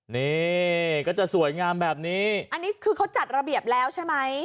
นี่ก็จะสวยงามแบบนี้อันนี้คือเขาจัดระเบียบแล้วใช่ไหม